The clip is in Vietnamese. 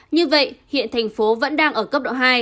như vậy hiện tp vẫn đang ở cấp độ hai